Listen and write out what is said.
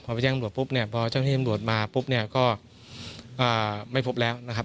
พอไปแจ้งตำรวจปุ๊บเนี่ยพอเจ้าหน้าที่ตำรวจมาปุ๊บเนี่ยก็ไม่พบแล้วนะครับ